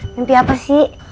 mimpi apa sih